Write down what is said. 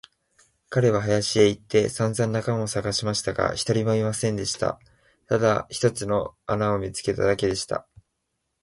彼は畑へ行ってさんざん仲間をさがしましたが、一人もいませんでした。ただ一つの穴を見つけただけでした。